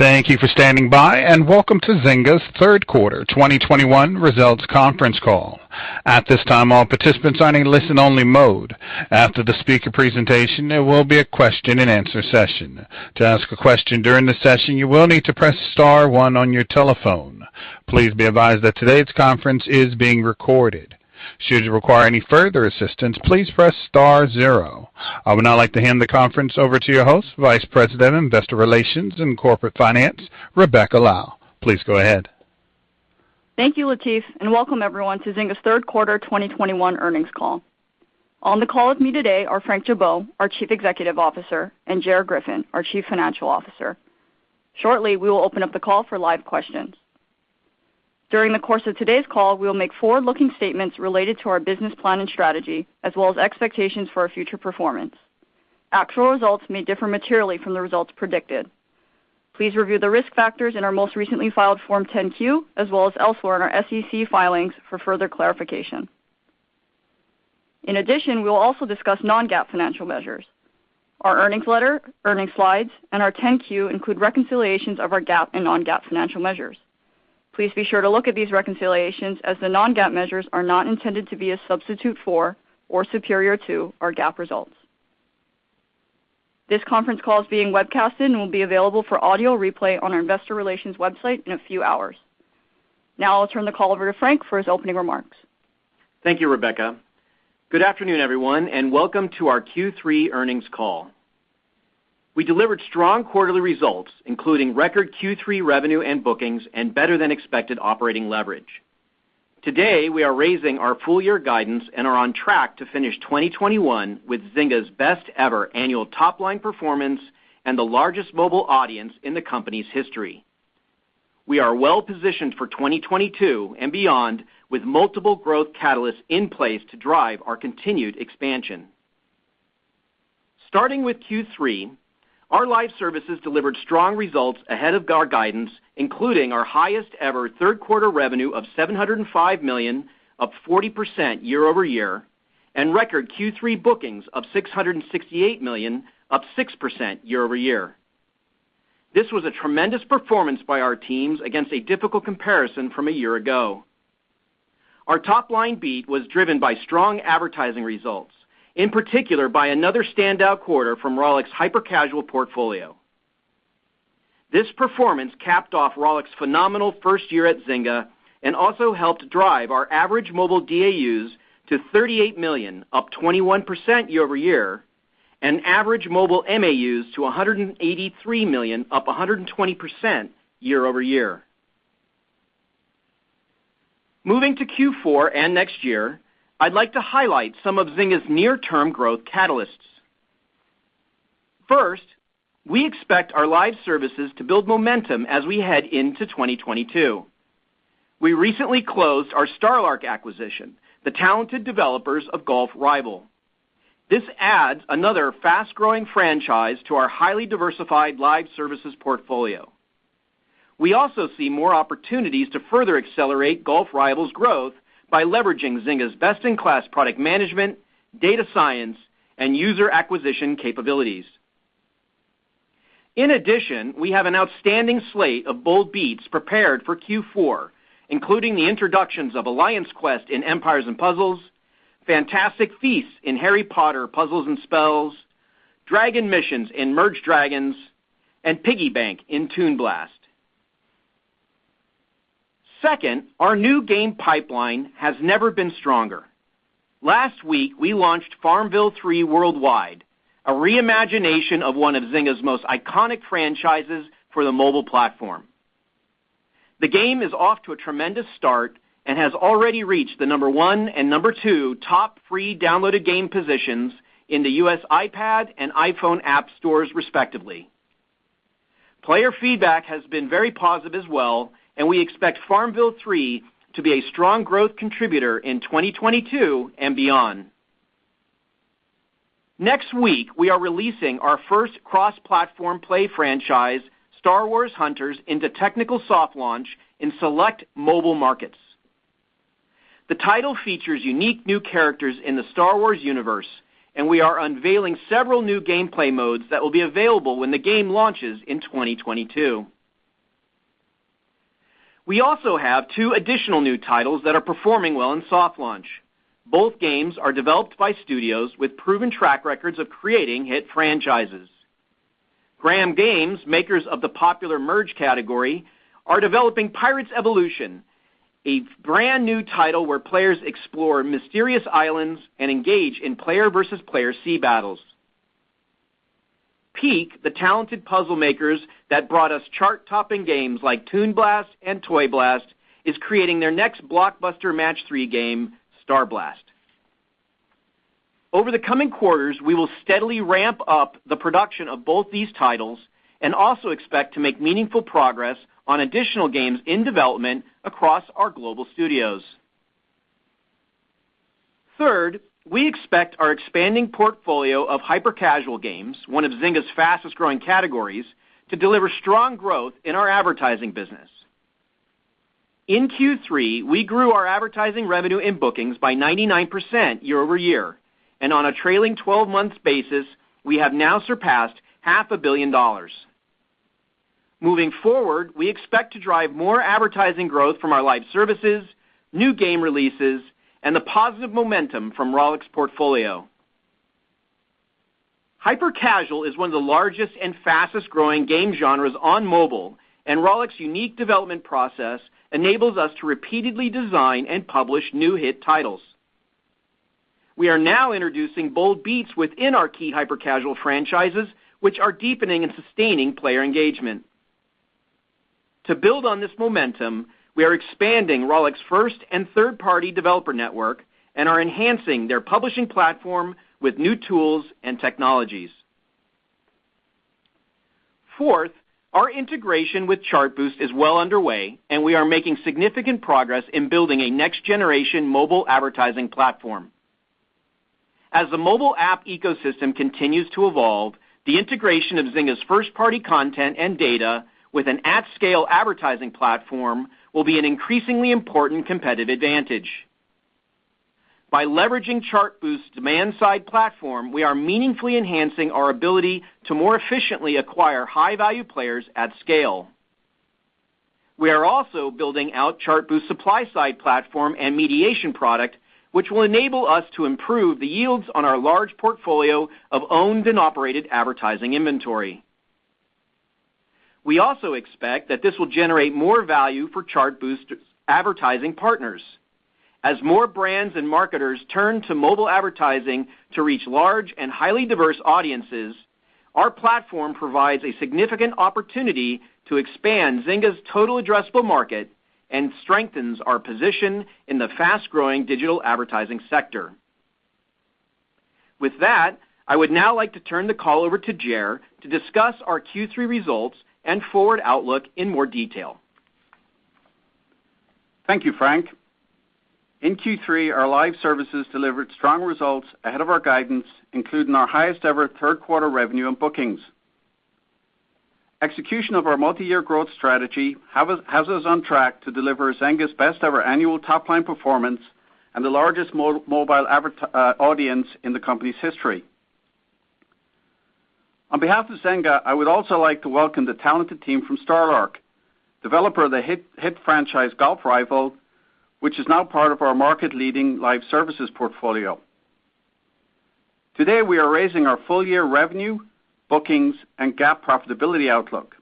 Thank you for standing by, and welcome to Zynga's Third Quarter 2021 Results Conference Call. At this time, all participants are in a listen only mode. After the speaker presentation, there will be a question-and-answer session. To ask a question during the session, you will need to press star one on your telephone. Please be advised that today's conference is being recorded. Should you require any further assistance, please press star zero. I would now like to hand the conference over to your host, Vice President of Investor Relations and Corporate Finance, Rebecca Lau. Please go ahead. Thank you, Latif, and welcome everyone to Zynga's third quarter 2021 earnings call. On the call with me today are Frank Gibeau, our Chief Executive Officer, and Ger Griffin, our Chief Financial Officer. Shortly, we will open up the call for live questions. During the course of today's call, we will make forward-looking statements related to our business plan and strategy, as well as expectations for our future performance. Actual results may differ materially from the results predicted. Please review the risk factors in our most recently filed Form 10-Q, as well as elsewhere in our SEC filings for further clarification. In addition, we will also discuss non-GAAP financial measures. Our earnings letter, earnings slides, and our 10-Q include reconciliations of our GAAP and non-GAAP financial measures. Please be sure to look at these reconciliations as the non-GAAP measures are not intended to be a substitute for or superior to our GAAP results. This conference call is being webcasted and will be available for audio replay on our Investor Relations website in a few hours. Now I'll turn the call over to Frank for his opening remarks. Thank you, Rebecca. Good afternoon, everyone, and welcome to our Q3 earnings call. We delivered strong quarterly results, including record Q3 revenue and bookings and better than expected operating leverage. Today, we are raising our full year guidance and are on track to finish 2021 with Zynga's best ever annual top-line performance and the largest mobile audience in the company's history. We are well-positioned for 2022 and beyond, with multiple growth catalysts in place to drive our continued expansion. Starting with Q3, our live services delivered strong results ahead of our guidance, including our highest ever third quarter revenue of $705 million, up 40% year-over-year, and record Q3 bookings of $668 million, up 6% year-over-year. This was a tremendous performance by our teams against a difficult comparison from a year ago. Our top line beat was driven by strong advertising results, in particular by another standout quarter from Rollic's hyper-casual portfolio. This performance capped off Rollic's phenomenal first year at Zynga and also helped drive our average mobile DAUs to 38 million, up 21% year over year, and average mobile MAUs to 183 million, up 120% year over year. Moving to Q4 and next year, I'd like to highlight some of Zynga's near-term growth catalysts. First, we expect our live services to build momentum as we head into 2022. We recently closed our StarLark acquisition, the talented developers of Golf Rival. This adds another fast-growing franchise to our highly diversified live services portfolio. We also see more opportunities to further accelerate Golf Rival's growth by leveraging Zynga's best-in-class product management, data science, and user acquisition capabilities. In addition, we have an outstanding slate of bold beats prepared for Q4, including the introductions of Alliance Quest in Empires & Puzzles, Fantastic Feasts in Harry Potter: Puzzles & Spells, Dragon Missions in Merge Dragons!, and Piggy Bank in Toon Blast. Second, our new game pipeline has never been stronger. Last week, we launched FarmVille 3 worldwide, a reimagination of one of Zynga's most iconic franchises for the mobile platform. The game is off to a tremendous start and has already reached the number one and number two top free downloaded game positions in the U.S. iPad and iPhone App Stores, respectively. Player feedback has been very positive as well, and we expect FarmVille 3 to be a strong growth contributor in 2022 and beyond. Next week, we are releasing our first cross-platform play franchise, Star Wars: Hunters into technical soft launch in select mobile markets. The title features unique new characters in the Star Wars universe, and we are unveiling several new gameplay modes that will be available when the game launches in 2022. We also have two additional new titles that are performing well in soft launch. Both games are developed by studios with proven track records of creating hit franchises. Gram Games, makers of the popular Merge category, are developing Pirates: Evolution!, a brand new title where players explore mysterious islands and engage in player versus player sea battles. Peak, the talented puzzle makers that brought us chart-topping games like Toon Blast and Toy Blast, is creating their next blockbuster match three game, Star Blast. Over the coming quarters, we will steadily ramp up the production of both these titles and also expect to make meaningful progress on additional games in development across our global studios. Third, we expect our expanding portfolio of hyper-casual games, one of Zynga's fastest growing categories, to deliver strong growth in our advertising business. In Q3, we grew our advertising revenue in bookings by 99% year-over-year. On a trailing 12 months basis, we have now surpassed $500 million. Moving forward, we expect to drive more advertising growth from our live services, new game releases, and the positive momentum from Rollic's portfolio. Hyper-casual is one of the largest and fastest-growing game genres on mobile, and Rollic's unique development process enables us to repeatedly design and publish new hit titles. We are now introducing bold beats within our key hyper-casual franchises, which are deepening and sustaining player engagement. To build on this momentum, we are expanding Rollic's first and third-party developer network and are enhancing their publishing platform with new tools and technologies. Fourth, our integration with Chartboost is well underway, and we are making significant progress in building a next generation mobile advertising platform. As the mobile app ecosystem continues to evolve, the integration of Zynga's first-party content and data with an at-scale advertising platform will be an increasingly important competitive advantage. By leveraging Chartboost demand side platform, we are meaningfully enhancing our ability to more efficiently acquire high-value players at scale. We are also building out Chartboost supply side platform and mediation product, which will enable us to improve the yields on our large portfolio of owned and operated advertising inventory. We also expect that this will generate more value for Chartboost advertising partners. As more brands and marketers turn to mobile advertising to reach large and highly diverse audiences, our platform provides a significant opportunity to expand Zynga's total addressable market and strengthens our position in the fast-growing digital advertising sector. With that, I would now like to turn the call over to Ger to discuss our Q3 results and forward outlook in more detail. Thank you, Frank. In Q3, our live services delivered strong results ahead of our guidance, including our highest ever third quarter revenue and bookings. Execution of our multi-year growth strategy has us on track to deliver Zynga's best ever annual top line performance and the largest mobile audience in the company's history. On behalf of Zynga, I would also like to welcome the talented team from StarLark, developer of the hit franchise Golf Rival, which is now part of our market-leading live services portfolio. Today, we are raising our full year revenue, bookings, and GAAP profitability outlook.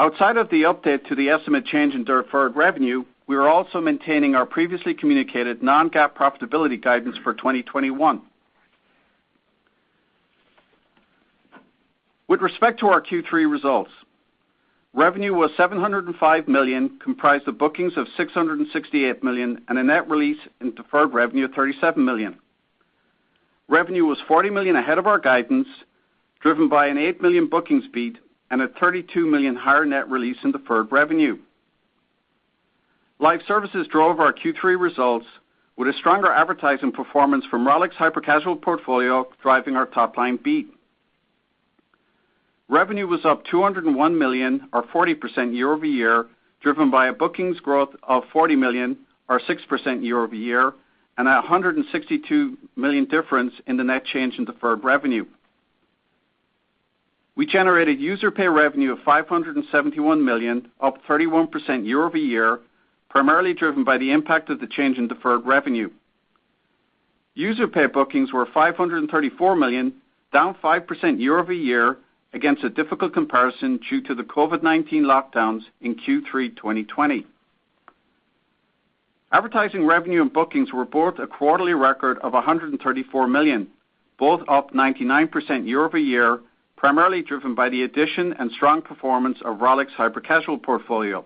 Outside of the update to the estimate change in deferred revenue, we are also maintaining our previously communicated non-GAAP profitability guidance for 2021. With respect to our Q3 results, revenue was $705 million, comprised of bookings of $668 million and a net release in deferred revenue of $37 million. Revenue was $40 million ahead of our guidance, driven by an $8 million bookings beat and a $32 million higher net release in deferred revenue. Live services drove our Q3 results with a stronger advertising performance from Rollic's hyper-casual portfolio driving our top line beat. Revenue was up $201 million or 40% year-over-year, driven by a bookings growth of $40 million or 6% year-over-year and a $162 million difference in the net change in deferred revenue. We generated user pay revenue of $571 million, up 31% year-over-year, primarily driven by the impact of the change in deferred revenue. User pay bookings were $534 million, down 5% year-over-year against a difficult comparison due to the COVID-19 lockdowns in Q3 2020. Advertising revenue and bookings were both a quarterly record of $134 million, both up 99% year-over-year, primarily driven by the addition and strong performance of Rollic's hyper-casual portfolio.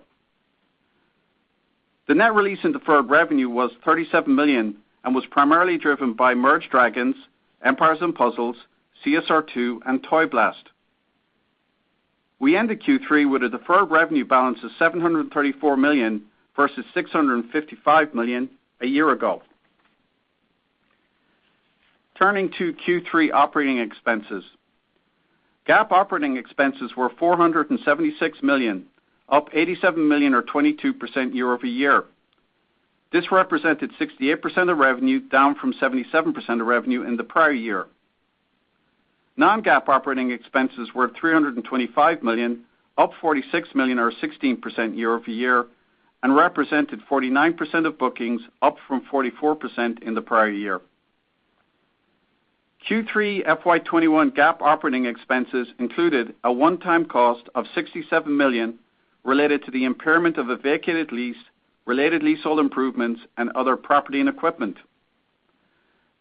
The net release in deferred revenue was $37 million and was primarily driven by Merge Dragons!, Empires & Puzzles, CSR2, and Toy Blast. We ended Q3 with a deferred revenue balance of $734 million versus $655 million a year ago. Turning to Q3 operating expenses. GAAP operating expenses were $476 million, up $87 million or 22% year-over-year. This represented 68% of revenue, down from 77% of revenue in the prior year. Non-GAAP operating expenses were $325 million, up $46 million or 16% year-over-year and represented 49% of bookings, up from 44% in the prior year. Q3 FY 2021 GAAP operating expenses included a one-time cost of $67 million related to the impairment of a vacated lease, related leasehold improvements, and other property and equipment.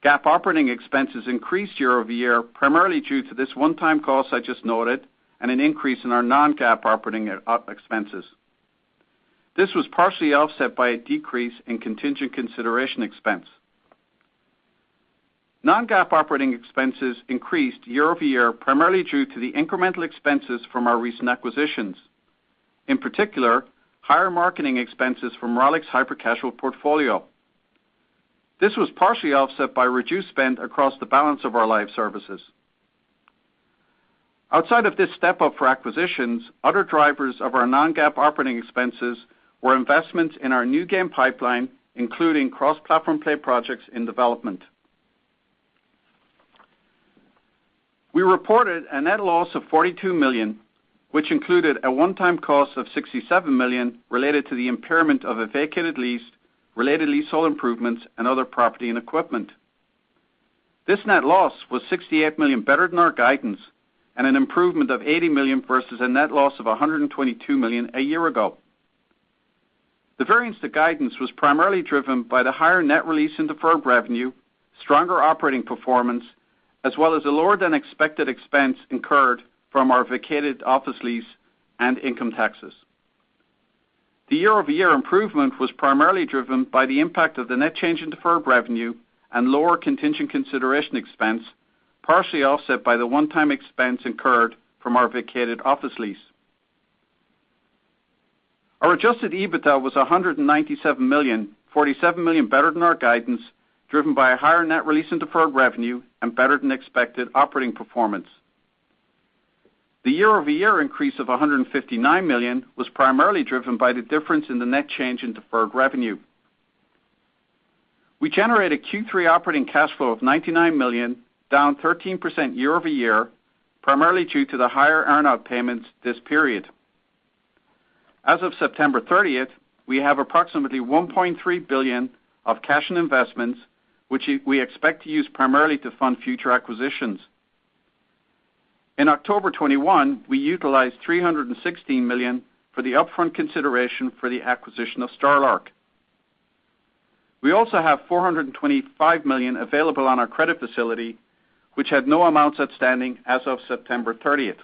GAAP operating expenses increased year-over-year, primarily due to this one-time cost I just noted and an increase in our non-GAAP operating expenses. This was partially offset by a decrease in contingent consideration expense. Non-GAAP operating expenses increased year-over-year, primarily due to the incremental expenses from our recent acquisitions. In particular, higher marketing expenses from Rollic's hyper-casual portfolio. This was partially offset by reduced spend across the balance of our live services. Outside of this step-up for acquisitions, other drivers of our non-GAAP operating expenses were investments in our new game pipeline, including cross-platform play projects in development. We reported a net loss of $42 million, which included a one-time cost of $67 million related to the impairment of a vacated lease, related leasehold improvements, and other property and equipment. This net loss was $68 million better than our guidance and an improvement of $80 million versus a net loss of $122 million a year ago. The variance to guidance was primarily driven by the higher net release in deferred revenue, stronger operating performance, as well as a lower than expected expense incurred from our vacated office lease and income taxes. The year-over-year improvement was primarily driven by the impact of the net change in deferred revenue and lower contingent consideration expense, partially offset by the one-time expense incurred from our vacated office lease. Our adjusted EBITDA was $197 million, $47 million better than our guidance, driven by a higher net release in deferred revenue and better than expected operating performance. The year-over-year increase of $159 million was primarily driven by the difference in the net change in deferred revenue. We generated a Q3 operating cash flow of $99 million, down 13% year-over-year, primarily due to the higher earn-out payments this period. As of September 30th, we have approximately $1.3 billion of cash and investments, which we expect to use primarily to fund future acquisitions. In October 2021, we utilized $316 million for the upfront consideration for the acquisition of StarLark. We also have $425 million available on our credit facility, which had no amounts outstanding as of September 30th.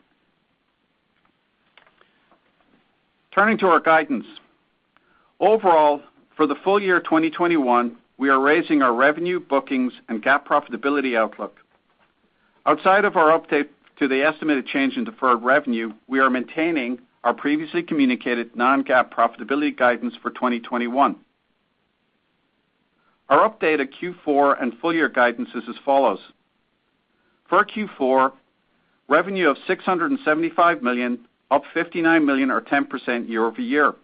Turning to our guidance. Overall, for the full year 2021, we are raising our revenue, bookings, and GAAP profitability outlook. Outside of our update to the estimated change in deferred revenue, we are maintaining our previously communicated non-GAAP profitability guidance for 2021. Our update at Q4 and full year guidance is as follows. For Q4, revenue of $675 million, up $59 million or 10% year-over-year.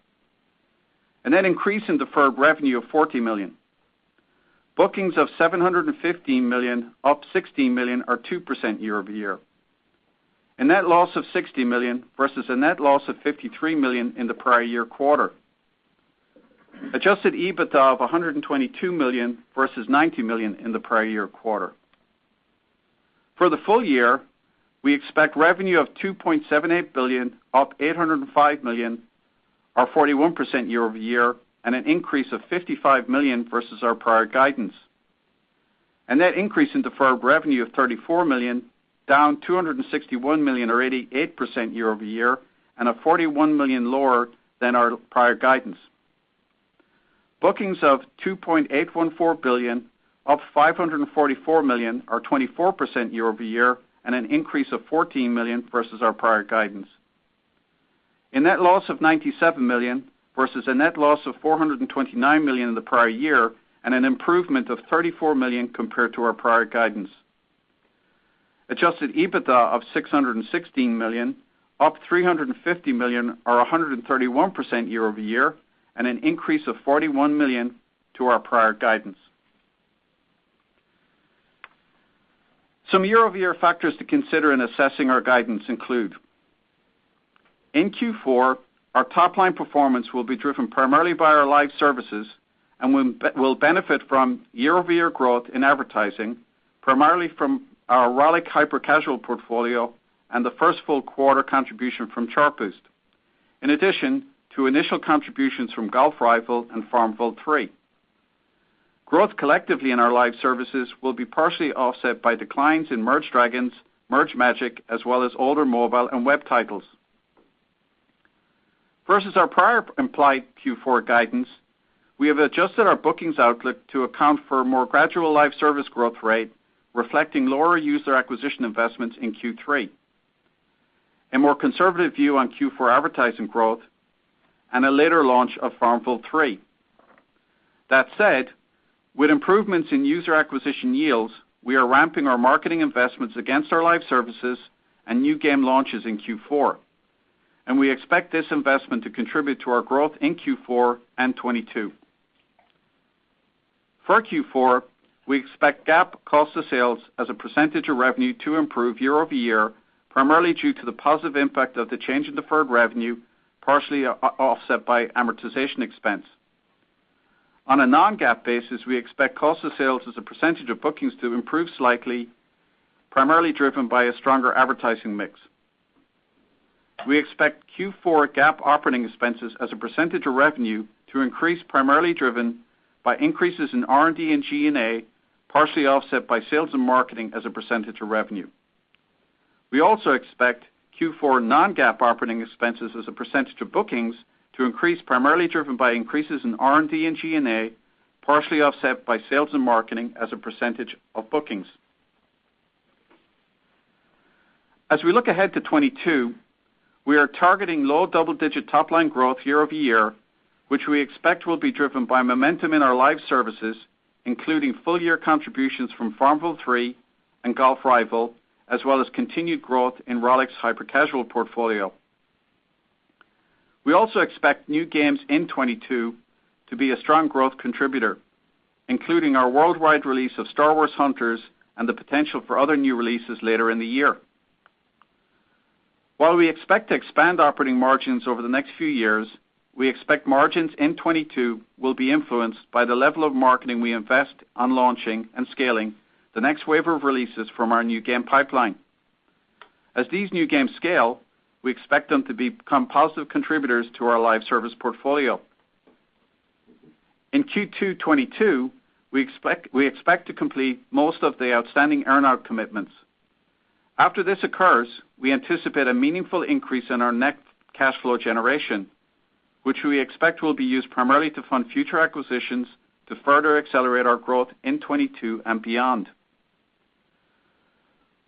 A net increase in deferred revenue of $40 million. Bookings of $715 million, up $16 million or 2% year-over-year. A net loss of $60 million versus a net loss of $53 million in the prior year quarter. Adjusted EBITDA of $122 million versus $90 million in the prior year quarter. For the full year, we expect revenue of $2.78 billion, up $805 million or 41% year-over-year, and an increase of $55 million versus our prior guidance. A net increase in deferred revenue of $34 million, down $261 million or 88% year-over-year, and a $41 million lower than our prior guidance. Bookings of $2.814 billion, up $544 million or 24% year-over-year, and an increase of $14 million versus our prior guidance. A net loss of $97 million versus a net loss of $429 million in the prior year and an improvement of $34 million compared to our prior guidance. Adjusted EBITDA of $616 million, up $350 million or 131% year-over-year, and an increase of $41 million to our prior guidance. Some year-over-year factors to consider in assessing our guidance include. In Q4, our top line performance will be driven primarily by our live services and will benefit from year-over-year growth in advertising, primarily from our Rollic hyper-casual portfolio and the first full quarter contribution from Chartboost, in addition to initial contributions from Golf Rival and FarmVille 3. Growth collectively in our live services will be partially offset by declines in Merge Dragons!, Merge Magic!, as well as older mobile and web titles. Versus our prior implied Q4 guidance, we have adjusted our bookings outlook to account for a more gradual live service growth rate reflecting lower user acquisition investments in Q3, a more conservative view on Q4 advertising growth and a later launch of FarmVille 3. That said, with improvements in user acquisition yields, we are ramping our marketing investments against our live services and new game launches in Q4, and we expect this investment to contribute to our growth in Q4 and 2022. For Q4, we expect GAAP cost of sales as a percentage of revenue to improve year-over-year, primarily due to the positive impact of the change in deferred revenue, partially offset by amortization expense. On a non-GAAP basis, we expect cost of sales as a percentage of bookings to improve slightly, primarily driven by a stronger advertising mix. We expect Q4 GAAP operating expenses as a percentage of revenue to increase, primarily driven by increases in R&D and G&A, partially offset by sales and marketing as a percentage of revenue. We also expect Q4 non-GAAP operating expenses as a percentage of bookings to increase, primarily driven by increases in R&D and G&A, partially offset by sales and marketing as a percentage of bookings. As we look ahead to 2022, we are targeting low double-digit top-line growth year-over-year, which we expect will be driven by momentum in our live services, including full-year contributions from FarmVille 3 and Golf Rival, as well as continued growth in Rollic's hyper-casual portfolio. We also expect new games in 2022 to be a strong growth contributor, including our worldwide release of Star Wars: Hunters and the potential for other new releases later in the year. While we expect to expand operating margins over the next few years, we expect margins in 2022 will be influenced by the level of marketing we invest on launching and scaling the next wave of releases from our new game pipeline. As these new games scale, we expect them to become positive contributors to our live service portfolio. In Q2 2022, we expect to complete most of the outstanding earn-out commitments. After this occurs, we anticipate a meaningful increase in our net cash flow generation, which we expect will be used primarily to fund future acquisitions to further accelerate our growth in 2022 and beyond.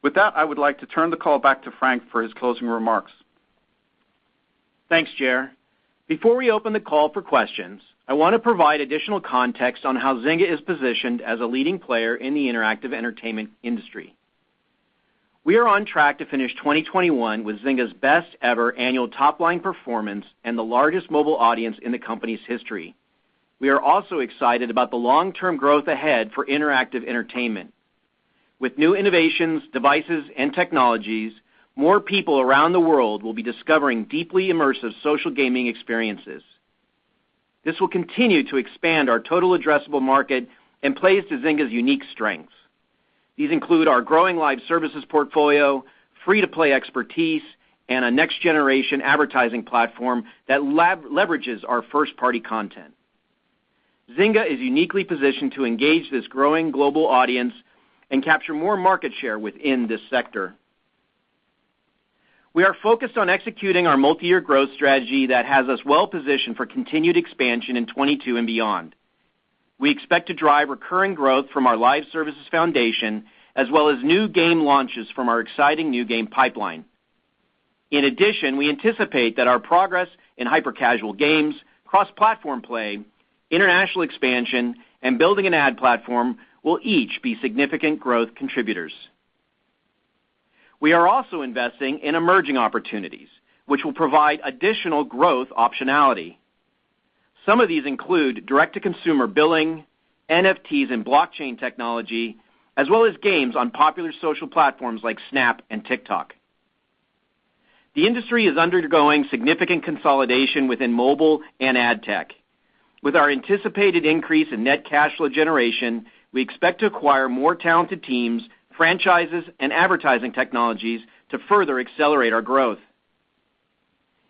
With that, I would like to turn the call back to Frank for his closing remarks. Thanks, Ger. Before we open the call for questions, I wanna provide additional context on how Zynga is positioned as a leading player in the interactive entertainment industry. We are on track to finish 2021 with Zynga's best ever annual top-line performance and the largest mobile audience in the company's history. We are also excited about the long-term growth ahead for interactive entertainment. With new innovations, devices, and technologies, more people around the world will be discovering deeply immersive social gaming experiences. This will continue to expand our total addressable market and plays to Zynga's unique strengths. These include our growing live services portfolio, free-to-play expertise, and a next generation advertising platform that leverages our first-party content. Zynga is uniquely positioned to engage this growing global audience and capture more market share within this sector. We are focused on executing our multi-year growth strategy that has us well-positioned for continued expansion in 2022 and beyond. We expect to drive recurring growth from our live services foundation as well as new game launches from our exciting new game pipeline. In addition, we anticipate that our progress in hyper-casual games, cross-platform play, international expansion, and building an ad platform will each be significant growth contributors. We are also investing in emerging opportunities, which will provide additional growth optionality. Some of these include direct-to-consumer billing, NFTs and blockchain technology, as well as games on popular social platforms like Snap and TikTok. The industry is undergoing significant consolidation within mobile and ad tech. With our anticipated increase in net cash flow generation, we expect to acquire more talented teams, franchises, and advertising technologies to further accelerate our growth.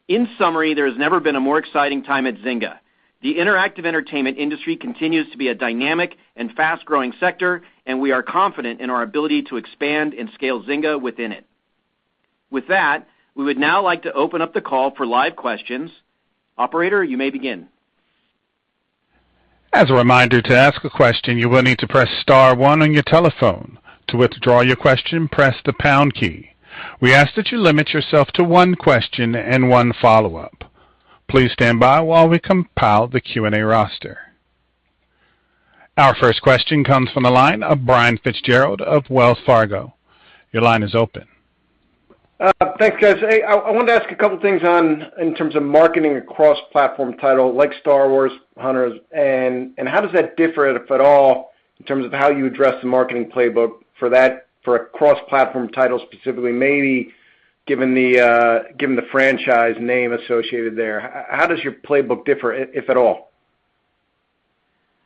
In summary, there has never been a more exciting time at Zynga. The interactive entertainment industry continues to be a dynamic and fast-growing sector, and we are confident in our ability to expand and scale Zynga within it. With that, we would now like to open up the call for live questions. Operator, you may begin. As a reminder, to ask a question, you will need to press star one on your telephone. To withdraw your question, press the pound key. We ask that you limit yourself to one question and one follow-up. Please stand by while we compile the Q&A roster. Our first question comes from the line of Brian FitzGerald of Wells Fargo. Your line is open. Thanks, guys. Hey, I wanted to ask a couple things on, in terms of marketing a cross-platform title like Star Wars: Hunters and how does that differ, if at all, in terms of how you address the marketing playbook for that, for a cross-platform title specifically, maybe given the franchise name associated there? How does your playbook differ, if at all?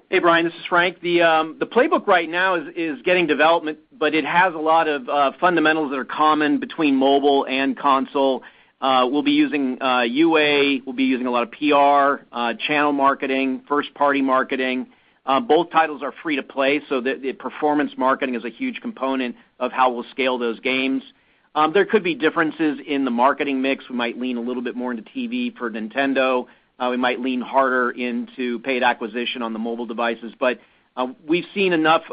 Hey, Brian, this is Frank. The playbook right now is in development, but it has a lot of fundamentals that are common between mobile and console. We'll be using UA. We'll be using a lot of PR, channel marketing, first-party marketing. Both titles are free to play, so the performance marketing is a huge component of how we'll scale those games. There could be differences in the marketing mix. We might lean a little bit more into TV for Nintendo. We might lean harder into paid acquisition on the mobile devices. We've seen enough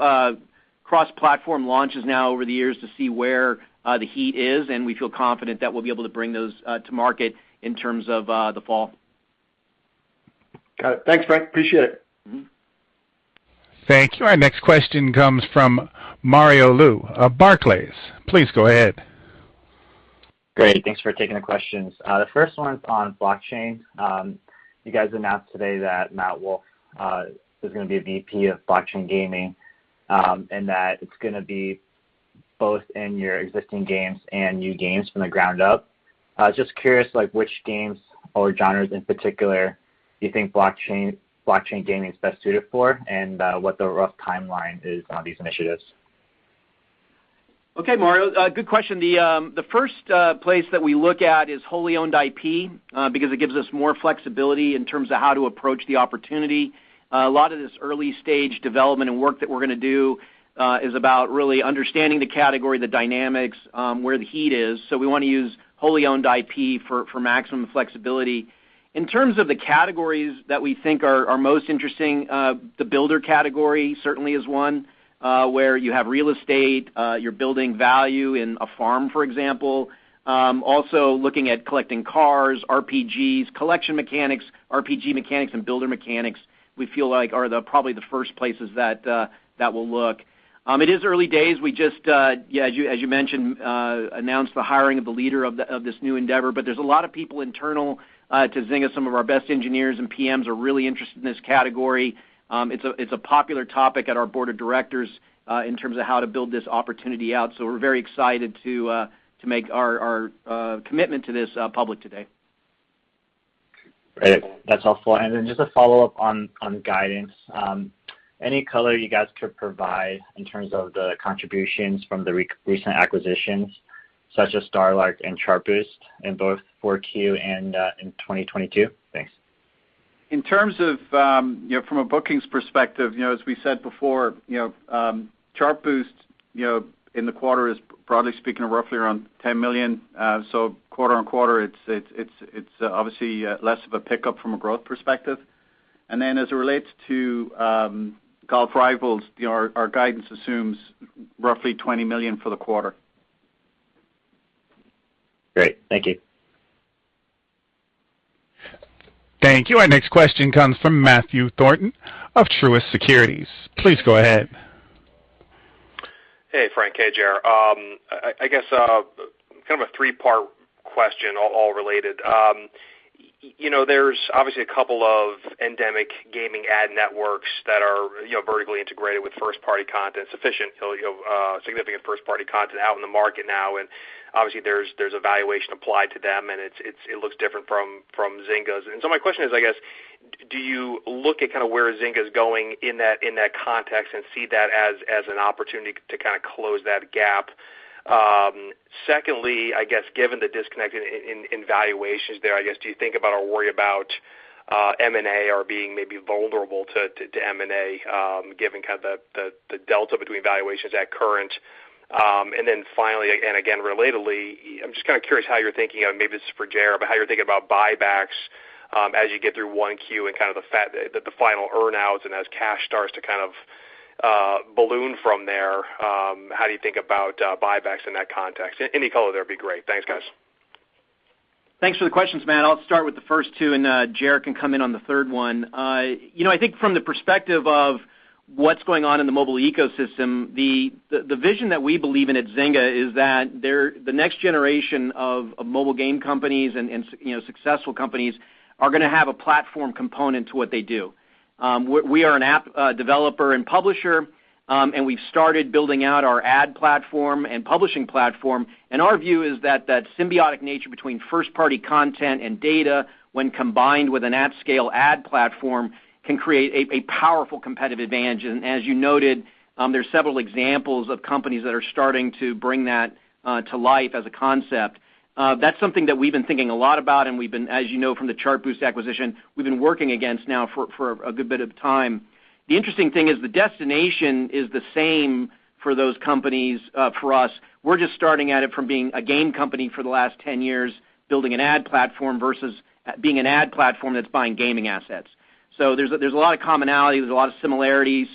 cross-platform launches now over the years to see where the heat is, and we feel confident that we'll be able to bring those to market in terms of the fall. Got it. Thanks, Frank. Appreciate it. Mm-hmm. Thank you. Our next question comes from Mario Lu of Barclays. Please go ahead. Great. Thanks for taking the questions. The first one's on blockchain. You guys announced today that Matt Wolf is gonna be a VP of Blockchain Gaming, and that it's gonna be both in your existing games and new games from the ground up. Just curious, like which games or genres in particular do you think blockchain gaming is best suited for, and what the rough timeline is on these initiatives? Okay, Mario, a good question. The first place that we look at is wholly owned IP because it gives us more flexibility in terms of how to approach the opportunity. A lot of this early-stage development and work that we're gonna do is about really understanding the category, the dynamics, where the heat is. So we wanna use wholly owned IP for maximum flexibility. In terms of the categories that we think are most interesting, the builder category certainly is one, where you have real estate, you're building value in a farm, for example. Also looking at collecting cars, RPGs, collection mechanics, RPG mechanics, and builder mechanics, we feel like are probably the first places that we'll look. It is early days. We just as you mentioned announced the hiring of the leader of this new endeavor. There's a lot of people internal to Zynga. Some of our best engineers and PMs are really interested in this category. It's a popular topic at our Board of Directors in terms of how to build this opportunity out. We're very excited to make our commitment to this public today. Great. That's all. Just a follow-up on guidance. Any color you guys could provide in terms of the contributions from the recent acquisitions such as StarLark and Chartboost in both 4Q and in 2022? Thanks. In terms of, you know, from a bookings perspective, you know, as we said before, you know, Chartboost, you know, in the quarter is broadly speaking roughly around $10 million. Quarter-over-quarter, it's obviously less of a pickup from a growth perspective. As it relates to Golf Rival, you know, our guidance assumes roughly $20 million for the quarter. Great. Thank you. Thank you. Our next question comes from Matthew Thornton of Truist Securities. Please go ahead. Hey, Frank. Hey, Ger. I guess kind of a three-part question all related. You know, there's obviously a couple of endemic gaming ad networks that are you know vertically integrated with first-party content, significant first-party content out in the market now. Obviously, there's a valuation applied to them, and it looks different from Zynga's. My question is, I guess, do you look at kind of where Zynga's going in that context and see that as an opportunity to kind of close that gap? Secondly, I guess, given the disconnect in valuations there, I guess, do you think about or worry about M&A or being maybe vulnerable to M&A, given kind of the delta between valuations at current? Finally, and again, relatedly, I'm just kind of curious how you're thinking of, maybe this is for Gerard, but how you're thinking about buybacks, as you get through 1Q and kind of the fact that the final earn-outs and as cash starts to kind of balloon from there, how do you think about buybacks in that context? Any color there would be great. Thanks, guys. Thanks for the questions, Matt. I'll start with the first two, and Jar can come in on the third one. You know, I think from the perspective of what's going on in the mobile ecosystem, the vision that we believe in at Zynga is that the next generation of mobile game companies and you know, successful companies are gonna have a platform component to what they do. We are an app developer and publisher, and we've started building out our ad platform and publishing platform. Our view is that that symbiotic nature between first-party content and data when combined with an app scale ad platform can create a powerful competitive advantage. As you noted, there's several examples of companies that are starting to bring that to life as a concept. That's something that we've been thinking a lot about, and we've been, as you know, from the Chartboost acquisition, we've been working on it now for a good bit of time. The interesting thing is the destination is the same for those companies, for us. We're just approaching it from being a game company for the last 10 years, building an ad platform versus being an ad platform that's buying gaming assets. So there's a lot of commonality. There's a lot of similarities.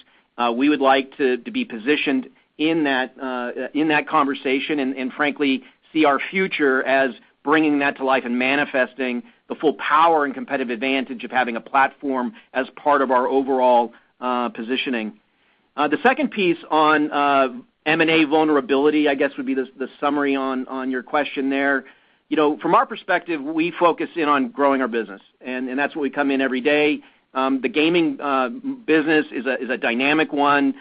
We would like to be positioned in that conversation and frankly see our future as bringing that to life and manifesting the full power and competitive advantage of having a platform as part of our overall positioning. The second piece on M&A vulnerability, I guess, would be the summary on your question there. You know, from our perspective, we focus in on growing our business, and that's what we come in every day. The gaming business is a dynamic one.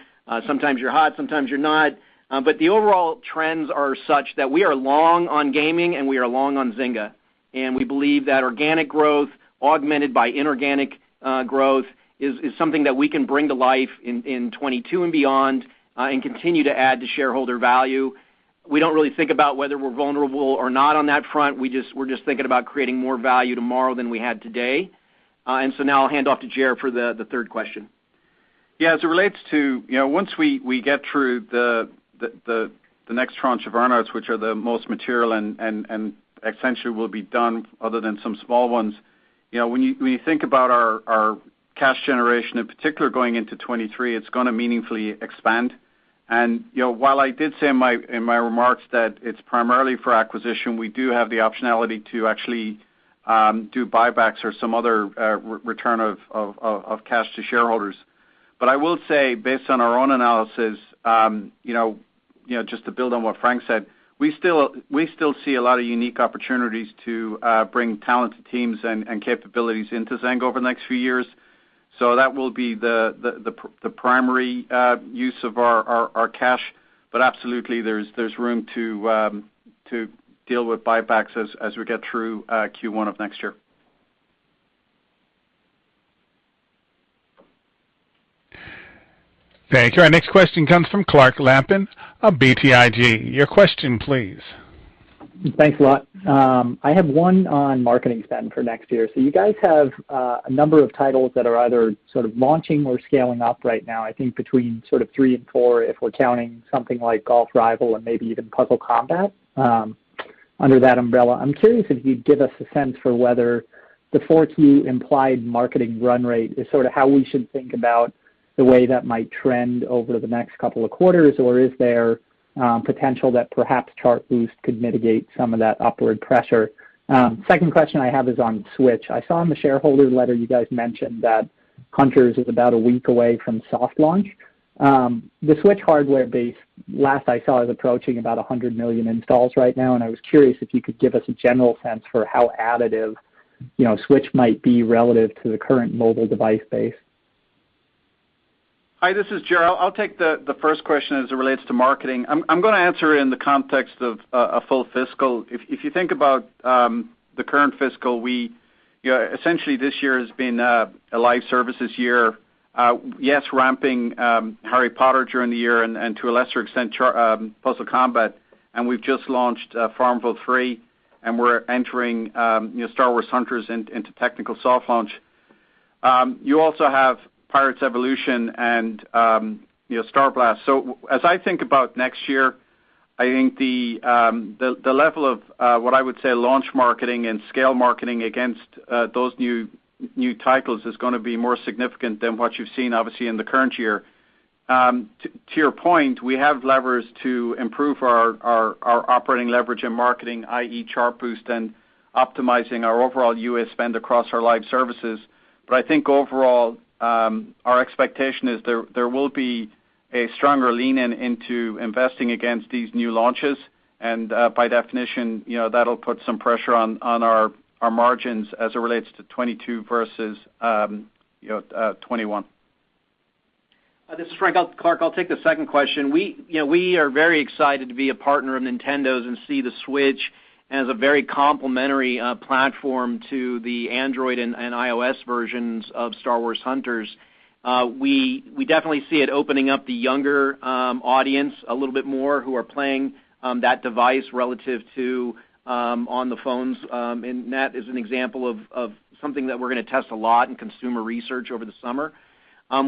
Sometimes you're hot, sometimes you're not. The overall trends are such that we are long on gaming, and we are long on Zynga. We believe that organic growth augmented by inorganic growth is something that we can bring to life in 2022 and beyond, and continue to add to shareholder value. We don't really think about whether we're vulnerable or not on that front. We're just thinking about creating more value tomorrow than we had today. Now I'll hand off to Ger for the third question. Yeah, as it relates to, you know, once we get through the next tranche of earn-outs, which are the most material and essentially will be done other than some small ones, you know, when you think about our cash generation in particular going into 2023, it's gonna meaningfully expand. You know, while I did say in my remarks that it's primarily for acquisition, we do have the optionality to actually do buybacks or some other return of cash to shareholders. I will say, based on our own analysis, you know, just to build on what Frank said, we still see a lot of unique opportunities to bring talented teams and capabilities into Zynga over the next few years. That will be the primary use of our cash. Absolutely, there's room to deal with buybacks as we get through Q1 of next year. Thank you. Our next question comes from Clark Lampen of BTIG. Your question, please. Thanks a lot. I have one on marketing spend for next year. You guys have a number of titles that are either sort of launching or scaling up right now. I think between sort of three and four if we're counting something like Golf Rival and maybe even Puzzle Combat under that umbrella. I'm curious if you'd give us a sense for whether the 4Q implied marketing run rate is sort of how we should think about the way that might trend over the next couple of quarters, or is there potential that perhaps Chartboost could mitigate some of that upward pressure? Second question I have is on Switch. I saw in the shareholder letter you guys mentioned that Hunters is about a week away from soft launch. The Switch hardware base last I saw is approaching about 100 million installs right now, and I was curious if you could give us a general sense for how additive, you know, Switch might be relative to the current mobile device base. Hi, this is Gerard. I'll take the first question as it relates to marketing. I'm gonna answer in the context of a full fiscal. If you think about the current fiscal, we essentially this year has been a live services year. Yes, ramping Harry Potter during the year and to a lesser extent Puzzle Combat, and we've just launched FarmVille 3, and we're entering you know Star Wars: Hunters into technical soft launch. You also have Pirates: Evolution! and you know Star Blast. As I think about next year, I think the level of what I would say launch marketing and scale marketing against those new titles is gonna be more significant than what you've seen obviously in the current year. To your point, we have levers to improve our operating leverage and marketing, i.e., Chartboost and optimizing our overall U.S. spend across our live services. I think overall, our expectation is there will be a stronger lean into investing against these new launches. By definition, you know, that'll put some pressure on our margins as it relates to 2022 versus 2021. This is Frank. Clark, I'll take the second question. We, you know, we are very excited to be a partner of Nintendo's and see the Switch as a very complementary platform to the Android and iOS versions of Star Wars: Hunters. We definitely see it opening up the younger audience a little bit more who are playing that device relative to on the phones.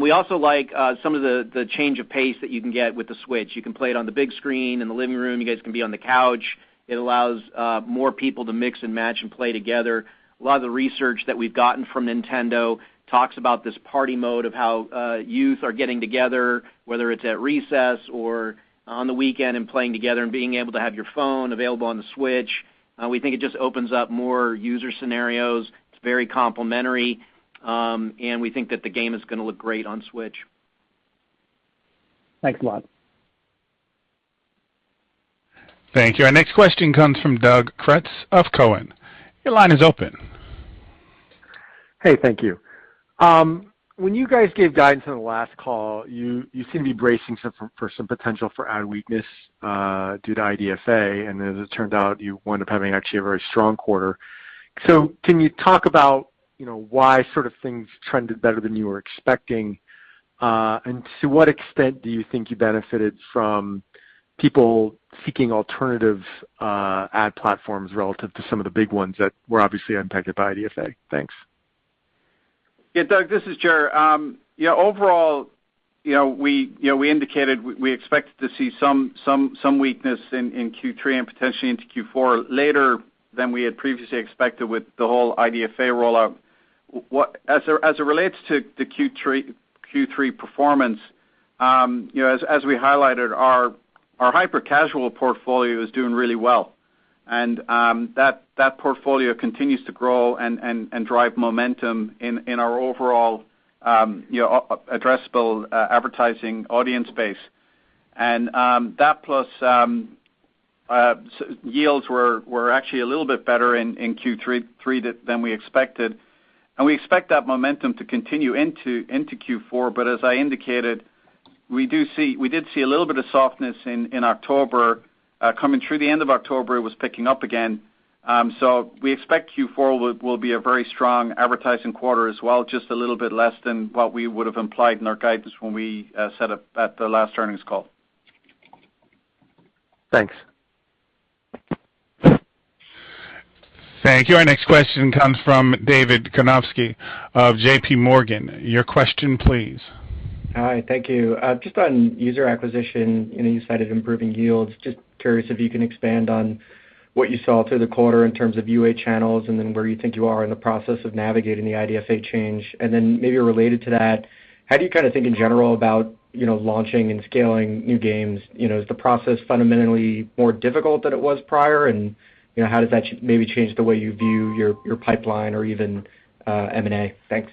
We also like some of the change of pace that you can get with the Switch. You can play it on the big screen in the living room. You guys can be on the couch. It allows more people to mix and match and play together. A lot of the research that we've gotten from Nintendo talks about this party mode of how youth are getting together, whether it's at recess or on the weekend and playing together and being able to have your phone available on the Switch. We think it just opens up more user scenarios. It's very complementary, and we think that the game is gonna look great on Switch. Thanks a lot. Thank you. Our next question comes from Doug Creutz of Cowen. Your line is open. Hey, thank you. When you guys gave guidance on the last call, you seemed to be bracing for some potential for ad weakness due to IDFA, and as it turned out, you wound up having actually a very strong quarter. Can you talk about, you know, why sort of things trended better than you were expecting? And to what extent do you think you benefited from people seeking alternative ad platforms relative to some of the big ones that were obviously impacted by IDFA? Thanks. Yeah, Doug, this is Ger. Yeah, overall, you know, we indicated we expected to see some weakness in Q3 and potentially into Q4 later than we had previously expected with the whole IDFA rollout. As it relates to the Q3 performance, you know, as we highlighted our hyper casual portfolio is doing really well. That portfolio continues to grow and drive momentum in our overall addressable advertising audience base. That plus yields were actually a little bit better in Q3 than we expected. We expect that momentum to continue into Q4. As I indicated, we did see a little bit of softness in October. Coming through the end of October, it was picking up again. We expect Q4 will be a very strong advertising quarter as well, just a little bit less than what we would have implied in our guidance when we set up at the last earnings call. Thanks. Thank you. Our next question comes from David Karnovsky of JPMorgan. Your question, please. Hi. Thank you. Just on user acquisition, you know, you cited improving yields. Just curious if you can expand on what you saw through the quarter in terms of UA channels and then where you think you are in the process of navigating the IDFA change. Then maybe related to that, how do you kinda think in general about, you know, launching and scaling new games? You know, is the process fundamentally more difficult than it was prior? You know, how does that maybe change the way you view your pipeline or even, M&A? Thanks.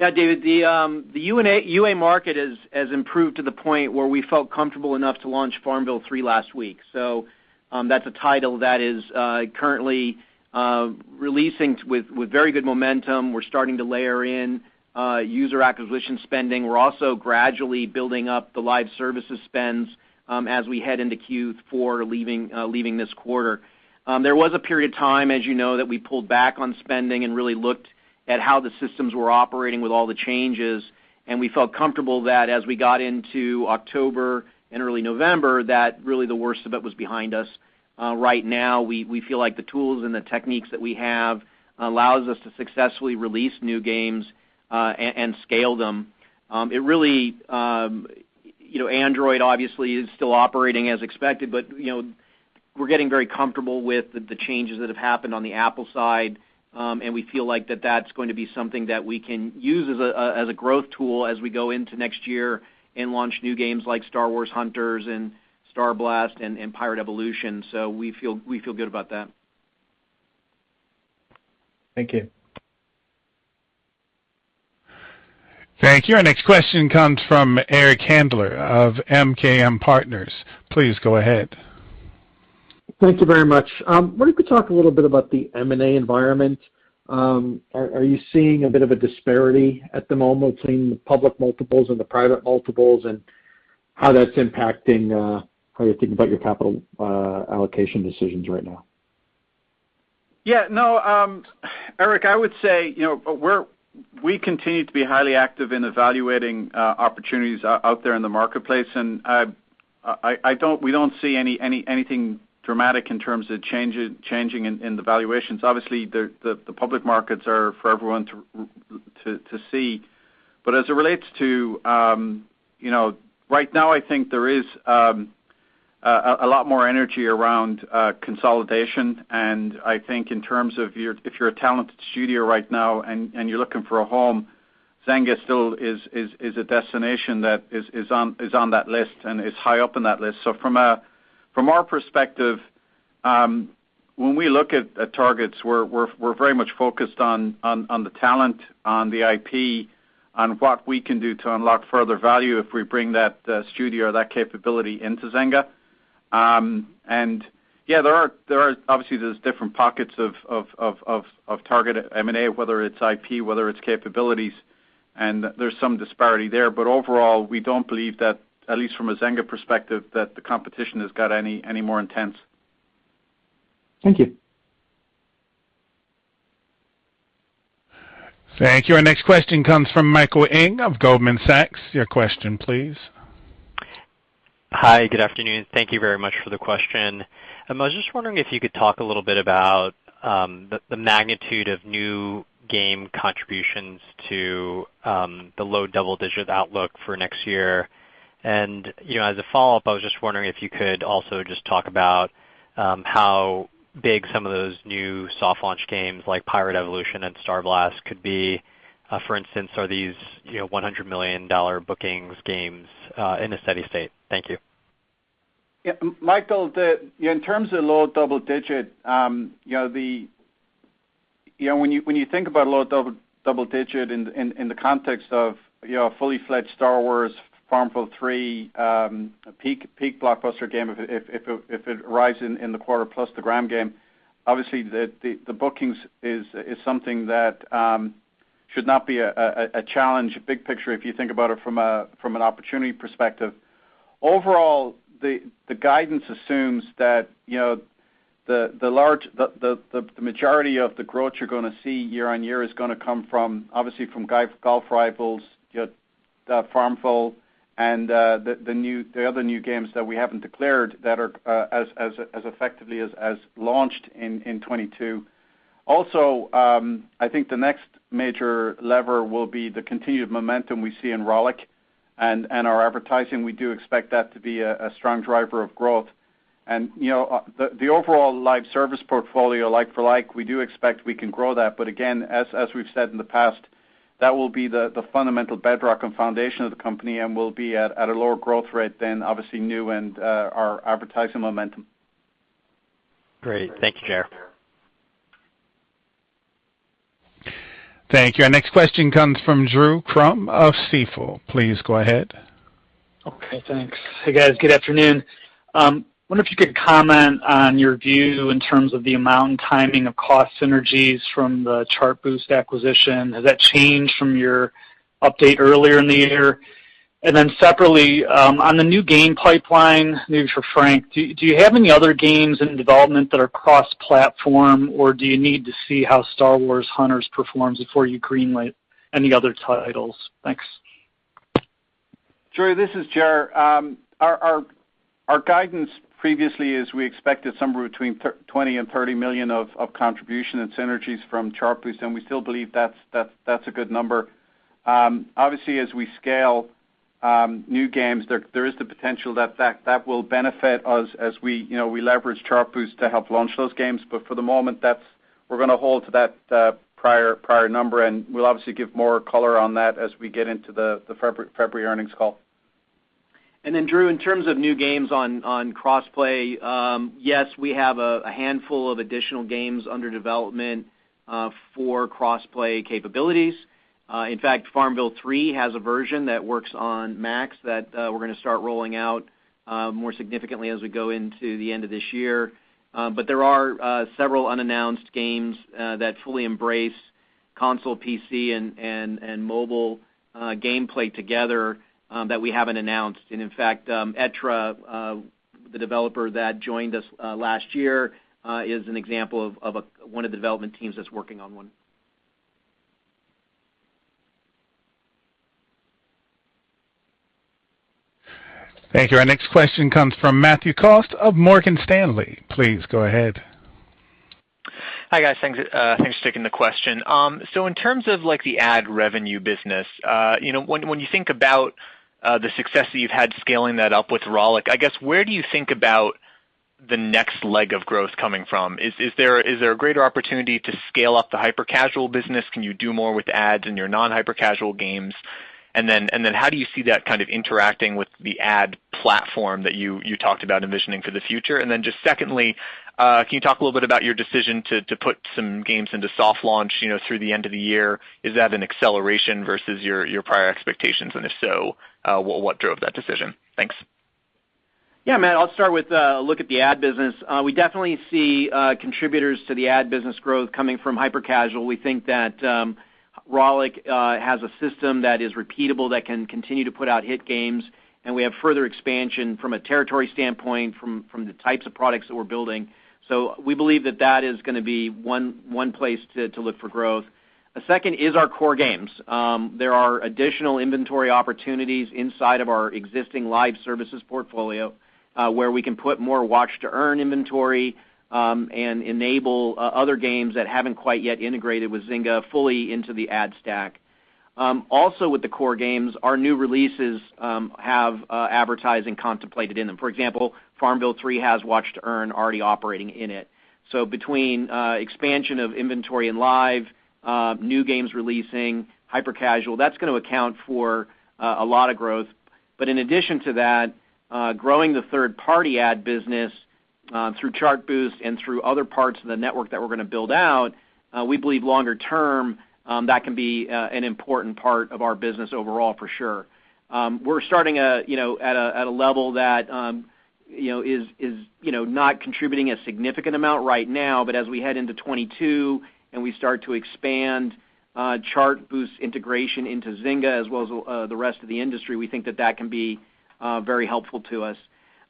Yeah, David, the UA market has improved to the point where we felt comfortable enough to launch FarmVille 3 last week. That's a title that is currently releasing with very good momentum. We're starting to layer in user acquisition spending. We're also gradually building up the live services spends as we head into Q4 leaving this quarter. There was a period of time, as you know, that we pulled back on spending and really looked at how the systems were operating with all the changes, and we felt comfortable that as we got into October and early November, that really the worst of it was behind us. Right now, we feel like the tools and the techniques that we have allows us to successfully release new games and scale them. It really, you know, Android obviously is still operating as expected, but, you know, we're getting very comfortable with the changes that have happened on the Apple side. We feel like that's going to be something that we can use as a growth tool as we go into next year and launch new games like Star Wars: Hunters and Star Blast and Pirate Evolution!. So we feel good about that. Thank you. Thank you. Our next question comes from Eric Handler of MKM Partners. Please go ahead. Thank you very much. I wonder if you could talk a little bit about the M&A environment. Are you seeing a bit of a disparity at the moment between the public multiples and the private multiples, and how that's impacting how you're thinking about your capital allocation decisions right now? No. Eric, I would say, you know, we're we continue to be highly active in evaluating opportunities out there in the marketplace, and I don't, we don't see anything dramatic in terms of changes in the valuations. Obviously, the public markets are for everyone to see. But as it relates to, you know, right now I think there is a lot more energy around consolidation. I think in terms of your if you're a talented studio right now and you're looking for a home, Zynga still is a destination that is on that list and is high up on that list. From our perspective, when we look at targets, we're very much focused on the talent, on the IP, on what we can do to unlock further value if we bring that studio or that capability into Zynga. There are obviously different pockets of target M&A, whether it's IP, whether it's capabilities, and there's some disparity there. Overall, we don't believe that, at least from a Zynga perspective, that the competition has got any more intense. Thank you. Thank you. Our next question comes from Michael Ng of Goldman Sachs. Your question please. Hi, good afternoon. Thank you very much for the question. I was just wondering if you could talk a little bit about the magnitude of new game contributions to the low double-digit outlook for next year. You know, as a follow-up, I was just wondering if you could also just talk about how big some of those new soft launch games like Pirate Evolution! and Star Blast could be. For instance, are these, you know, $100 million bookings games in a steady state? Thank you. Yeah, Michael, in terms of low double digit, you know, when you think about low double digit in the context of, you know, a fully fledged Star Wars, FarmVille 3, peak blockbuster game if it arrives in the quarter plus the Gram Games, obviously the bookings is something that should not be a challenge, big picture if you think about it from an opportunity perspective. Overall, the guidance assumes that, you know, the majority of the growth you're gonna see year-on-year is gonna come from, obviously from Golf Rival, you know, the FarmVille and the other new games that we haven't declared that are effectively launched in 2022. Also, I think the next major lever will be the continued momentum we see in Rollic and our advertising. We do expect that to be a strong driver of growth. You know, the overall live service portfolio, like for like, we do expect we can grow that. Again, as we've said in the past, that will be the fundamental bedrock and foundation of the company and will be at a lower growth rate than obviously new and our advertising momentum. Great. Thank you, Ger. Thank you. Our next question comes from Drew Crum of Stifel. Please go ahead. Okay, thanks. Hey, guys. Good afternoon. Wonder if you could comment on your view in terms of the amount and timing of cost synergies from the Chartboost acquisition. Has that changed from your update earlier in the year? Then separately, on the new game pipeline, maybe for Frank, do you have any other games in development that are cross-platform, or do you need to see how Star Wars: Hunters performs before you green light any other titles? Thanks. Drew, this is Ger. Our guidance previously is we expected somewhere between $20 million-$30 million of contribution and synergies from Chartboost, and we still believe that's a good number. Obviously, as we scale new games, there is the potential that that will benefit us as we, you know, we leverage Chartboost to help launch those games. For the moment, that's we're gonna hold to that prior number, and we'll obviously give more color on that as we get into the February earnings call. Then Drew, in terms of new games on cross-play, yes, we have a handful of additional games under development for cross-play capabilities. In fact, FarmVille 3 has a version that works on Mac that we're gonna start rolling out more significantly as we go into the end of this year. But there are several unannounced games that fully embrace console, PC and mobile gameplay together that we haven't announced. In fact, Echtra, the developer that joined us last year, is an example of one of the development teams that's working on one. Thank you. Our next question comes from Matthew Cost of Morgan Stanley. Please go ahead. Hi, guys. Thanks for taking the question. So in terms of like the ad revenue business, you know, when you think about the success that you've had scaling that up with Rollic, I guess, where do you think about the next leg of growth coming from? Is there a greater opportunity to scale up the hyper-casual business? Can you do more with ads in your non-hyper casual games? How do you see that kind of interacting with the ad platform that you talked about envisioning for the future? Just secondly, can you talk a little bit about your decision to put some games into soft launch, you know, through the end of the year? Is that an acceleration versus your prior expectations? If so, what drove that decision? Thanks. Yeah, Matt, I'll start with a look at the ad business. We definitely see contributors to the ad business growth coming from hyper-casual. We think that Rollic has a system that is repeatable, that can continue to put out hit games, and we have further expansion from a territory standpoint from the types of products that we're building. We believe that that is gonna be one place to look for growth. The second is our core games. There are additional inventory opportunities inside of our existing live services portfolio where we can put more Watch-to-Earn inventory and enable other games that haven't quite yet integrated with Zynga fully into the ad stack. Also with the core games, our new releases have advertising contemplated in them. For example, FarmVille 3 has Watch-to-Earn already operating in it. Between expansion of inventory and live new games releasing hyper-casual, that's gonna account for a lot of growth. In addition to that, growing the third-party ad business through Chartboost and through other parts of the network that we're gonna build out, we believe longer term that can be an important part of our business overall for sure. We're starting, you know, at a level that, you know, is, you know, not contributing a significant amount right now. As we head into 2022 and we start to expand Chartboost integration into Zynga as well as the rest of the industry, we think that that can be very helpful to us.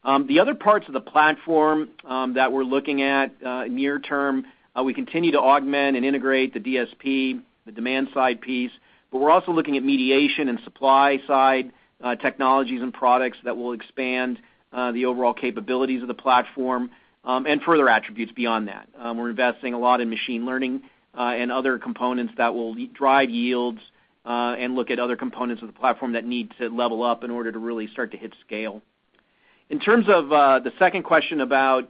The other parts of the platform that we're looking at near term, we continue to augment and integrate the DSP, the demand side piece. We're also looking at mediation and supply side technologies and products that will expand the overall capabilities of the platform and further attributes beyond that. We're investing a lot in machine learning and other components that will drive yields and look at other components of the platform that need to level up in order to really start to hit scale. In terms of the second question about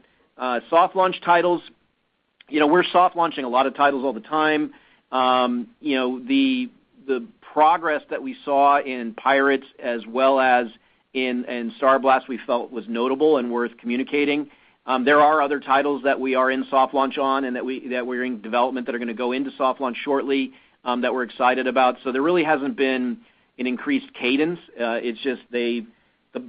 soft launch titles, you know, we're soft launching a lot of titles all the time. You know, the progress that we saw in Pirates as well as in Star Blast, we felt was notable and worth communicating. There are other titles that we are in soft launch on and that we're in development that are gonna go into soft launch shortly, that we're excited about. There really hasn't been an increased cadence. It's just the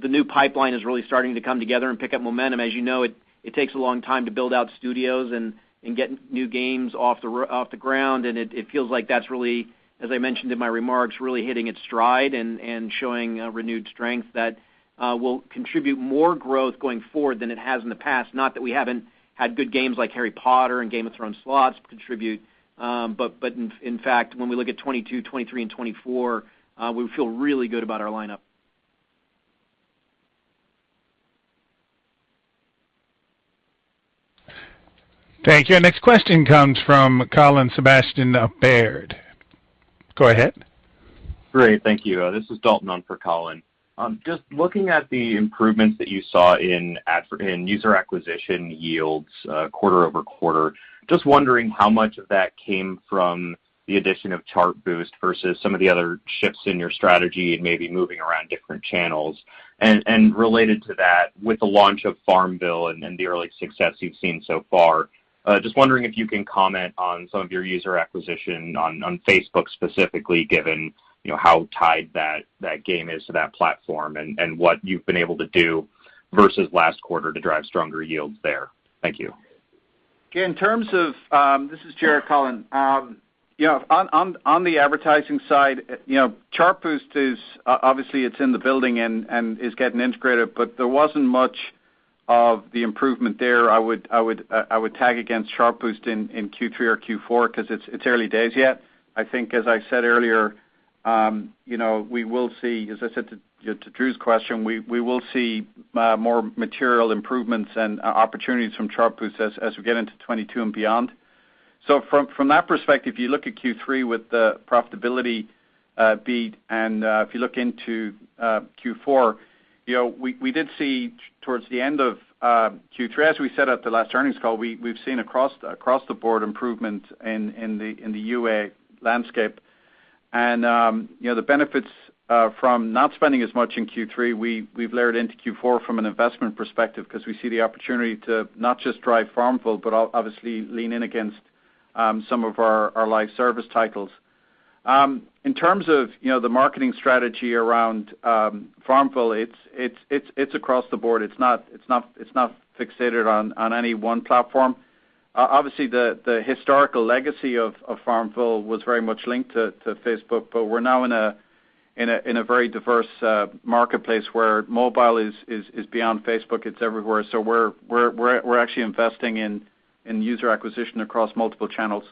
new pipeline is really starting to come together and pick up momentum. As you know, it takes a long time to build out studios and get new games off the ground. It feels like that's really, as I mentioned in my remarks, hitting its stride and showing renewed strength that will contribute more growth going forward than it has in the past. Not that we haven't had good games like Harry Potter and Game of Thrones Slots contribute. In fact, when we look at 2022, 2023 and 2024, we feel really good about our lineup. Thank you. Our next question comes from Colin Sebastian of Baird. Go ahead. Great. Thank you. This is Dalton on for Colin. Just looking at the improvements that you saw in user acquisition yields quarter-over-quarter, just wondering how much of that came from the addition of Chartboost versus some of the other shifts in your strategy and maybe moving around different channels. Related to that, with the launch of FarmVille and the early success you've seen so far, just wondering if you can comment on some of your user acquisition on Facebook specifically, given you know how tied that game is to that platform and what you've been able to do versus last quarter to drive stronger yields there. Thank you. In terms of. This is Ger, Colin. You know, on the advertising side, you know, Chartboost is obviously in the building and is getting integrated, but there wasn't much of the improvement there I wouldn't tag against Chartboost in Q3 or Q4 'cause it's early days yet. I think as I said earlier, you know, we will see, as I said to Drew's question, we will see more material improvements and opportunities from Chartboost as we get into 2022 and beyond. From that perspective, you look at Q3 with the profitability beat, and if you look into Q4, we did see towards the end of Q3, as we said at the last earnings call, we've seen across the board improvement in the UA landscape. The benefits from not spending as much in Q3, we've layered into Q4 from an investment perspective because we see the opportunity to not just drive FarmVille, but obviously lean in against some of our live service titles. In terms of the marketing strategy around FarmVille, it's across the board. It's not fixated on any one platform. Obviously, the historical legacy of FarmVille was very much linked to Facebook, but we're now in a very diverse marketplace where mobile is beyond Facebook, it's everywhere. We're actually investing in user acquisition across multiple channels.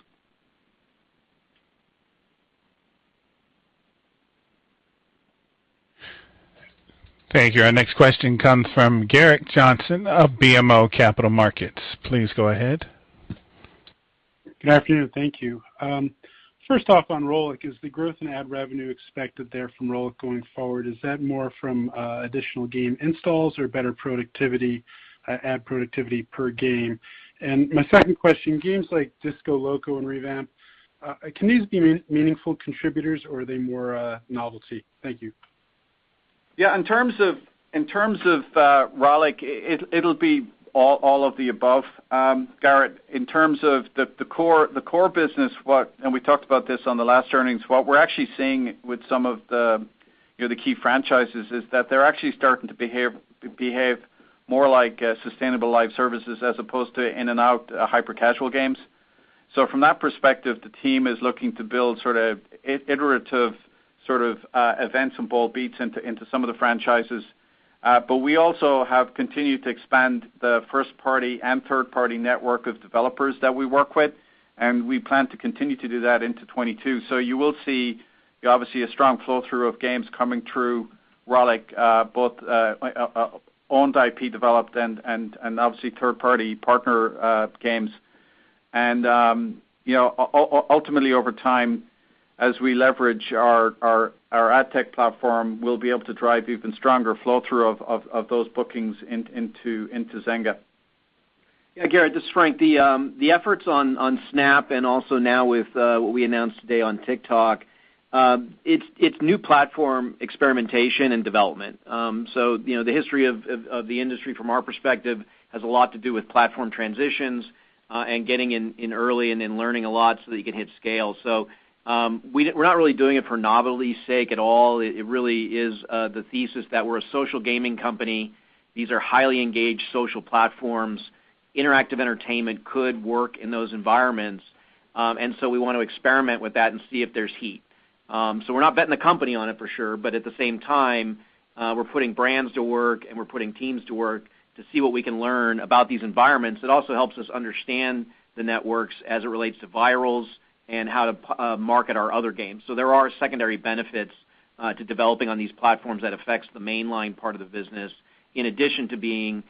Thank you. Our next question comes from Gerrick Johnson of BMO Capital Markets. Please go ahead. Good afternoon. Thank you. First off, on Rollic, is the growth in ad revenue expected there from Rollic going forward, is that more from additional game installs or better productivity, UA productivity per game? My second question, games like Disco Loco and ReVamp, can these be meaningful contributors, or are they more novelty? Thank you. Yeah, in terms of Rollic, it'll be all of the above, Gerrick. In terms of the core business, and we talked about this on the last earnings, what we're actually seeing with some of the key franchises is that they're actually starting to behave more like sustainable live services as opposed to in and out hyper-casual games. From that perspective, the team is looking to build sort of iterative sort of events and bold beats into some of the franchises. But we also have continued to expand the first-party and third-party network of developers that we work with, and we plan to continue to do that into 2022. You will see, obviously, a strong flow through of games coming through Rollic, both owned IP developed and obviously third-party partner games. Ultimately, you know, over time, as we leverage our ad tech platform, we'll be able to drive even stronger flow through of those bookings into Zynga. Yeah, Gerrick, this is Frank. The efforts on Snap and also now with what we announced today on TikTok, it's new platform experimentation and development. You know, the history of the industry from our perspective has a lot to do with platform transitions and getting in early and then learning a lot so that you can hit scale. We're not really doing it for novelty's sake at all. It really is the thesis that we're a social gaming company. These are highly engaged social platforms. Interactive entertainment could work in those environments. We want to experiment with that and see if there's heat. We're not betting the company on it for sure, but at the same time, we're putting brands to work, and we're putting teams to work to see what we can learn about these environments. It also helps us understand the networks as it relates to virals and how to market our other games. There are secondary benefits to developing on these platforms that affects the mainline part of the business, in addition to being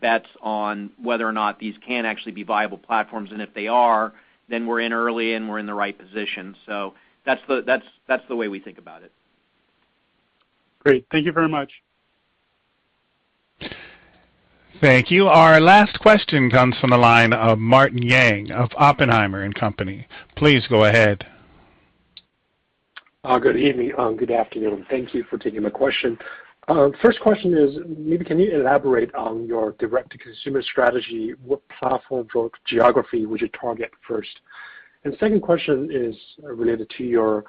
bets on whether or not these can actually be viable platforms. If they are, then we're in early and we're in the right position. That's the way we think about it. Great. Thank you very much. Thank you. Our last question comes from the line of Martin Yang of Oppenheimer & Co. Please go ahead. Good evening, good afternoon. Thank you for taking my question. First question is maybe can you elaborate on your direct-to-consumer strategy, what platform geography would you target first? Second question is related to your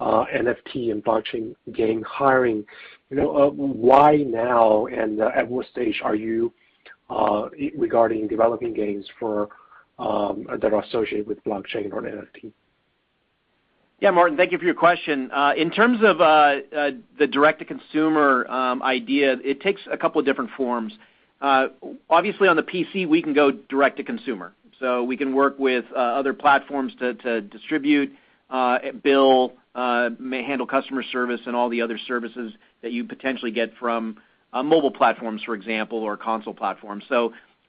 NFT and blockchain game hiring. You know, why now and at what stage are you regarding developing games that are associated with blockchain or NFT? Yeah, Martin, thank you for your question. In terms of the direct-to-consumer idea, it takes a couple of different forms. Obviously on the PC, we can go direct to consumer, so we can work with other platforms to distribute, billing and may handle customer service and all the other services that you potentially get from mobile platforms, for example, or console platforms.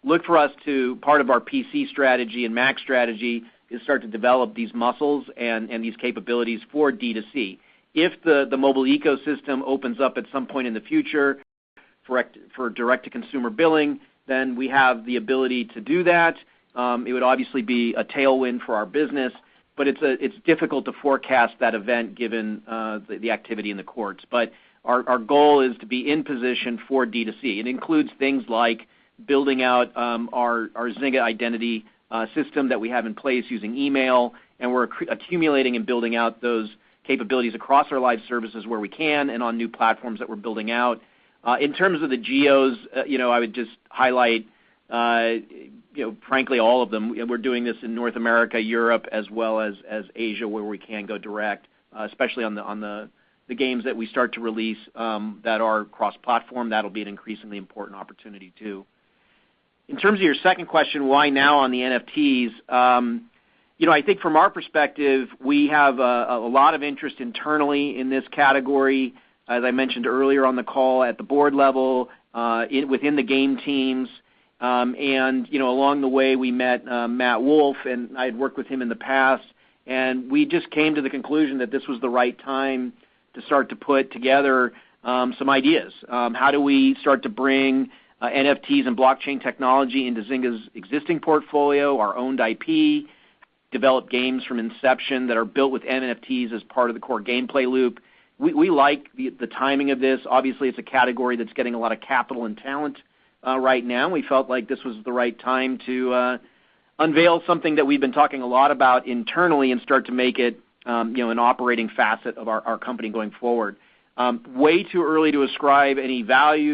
Look for us as part of our PC strategy and Mac strategy to start to develop these muscles and these capabilities for D2C. If the mobile ecosystem opens up at some point in the future for direct-to-consumer billing, then we have the ability to do that. It would obviously be a tailwind for our business, but it's difficult to forecast that event given the activity in the courts. Our goal is to be in position for D2C. It includes things like building out our Zynga identity system that we have in place using email, and we're accumulating and building out those capabilities across our live services where we can and on new platforms that we're building out. In terms of the geos, you know, I would just highlight, you know, frankly all of them. We're doing this in North America, Europe, as well as Asia, where we can go direct, especially on the games that we start to release that are cross-platform. That'll be an increasingly important opportunity too. In terms of your second question, why now on the NFTs? You know, I think from our perspective, we have a lot of interest internally in this category, as I mentioned earlier on the call, at the board level, within the game teams. You know, along the way, we met Matt Wolf, and I had worked with him in the past, and we just came to the conclusion that this was the right time to start to put together some ideas. How do we start to bring NFTs and blockchain technology into Zynga's existing portfolio, our owned IP, develop games from inception that are built with NFTs as part of the core gameplay loop? We like the timing of this. Obviously, it's a category that's getting a lot of capital and talent right now. We felt like this was the right time to unveil something that we've been talking a lot about internally and start to make it, you know, an operating facet of our company going forward. Way too early to ascribe any components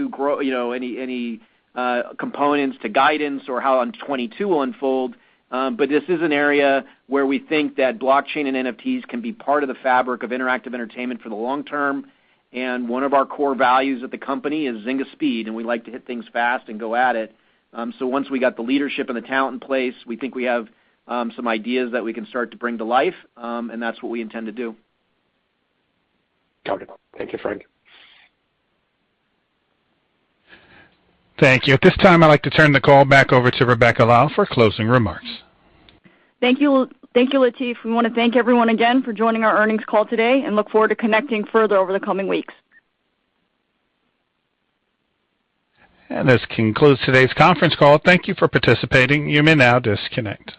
to guidance or how 2022 will unfold. This is an area where we think that blockchain and NFTs can be part of the fabric of interactive entertainment for the long term. One of our core values at the company is Zynga Speed, and we like to hit things fast and go at it. Once we got the leadership and the talent in place, we think we have some ideas that we can start to bring to life, and that's what we intend to do. Got it. Thank you, Frank. Thank you. At this time, I'd like to turn the call back over to Rebecca Lau for closing remarks. Thank you. Thank you, Latif. We wanna thank everyone again for joining our earnings call today and look forward to connecting further over the coming weeks. This concludes today's conference call. Thank you for participating. You may now disconnect.